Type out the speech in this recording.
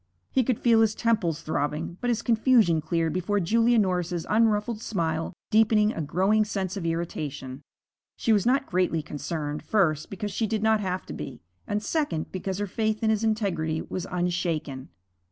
He could feel his temples throbbing. But his confusion cleared before Julia Norris's unruffled smile, deepening a growing sense of irritation. She was not greatly concerned, first, because she did not have to be, and second, because her faith in his integrity was unshaken.